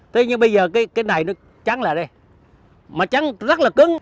thế nhưng bây giờ cái này nó trắng lại đây mà trắng rất là cứng